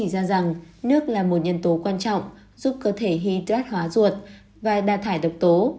nước chỉ ra rằng nước là một nhân tố quan trọng giúp cơ thể hydrat hóa ruột và đa thải độc tố